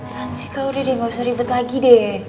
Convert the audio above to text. tahan sih kak udah deh gak usah ribet lagi deh